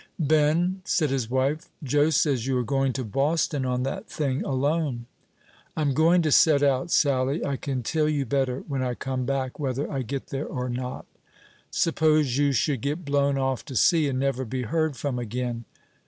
"Ben," said his wife, "Joe says you are going to Boston on that thing alone?" "I'm going to set out, Sally. I can tell you better when I come back, whether I get there or not." "Suppose you should get blown off to sea, and never be heard from again."